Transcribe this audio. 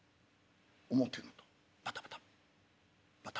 表の戸バタバタバタバタ。